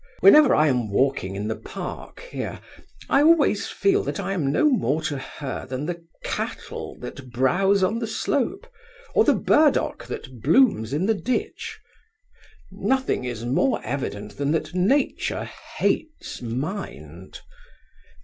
Whenever I am walking in the park here, I always feel that I am no more to her than the cattle that browse on the slope, or the burdock that blooms in the ditch. Nothing is more evident than that Nature hates Mind.